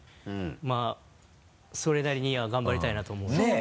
まぁそれなりには頑張りたいなと思うんですけど。